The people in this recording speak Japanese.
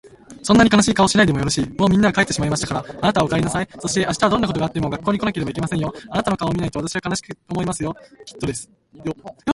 「そんなに悲しい顔をしないでもよろしい。もうみんなは帰ってしまいましたから、あなたはお帰りなさい。そして明日はどんなことがあっても学校に来なければいけませんよ。あなたの顔を見ないと私は悲しく思いますよ。屹度ですよ。」